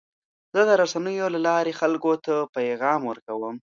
زه د رسنیو له لارې خلکو ته پیغام ورکوم.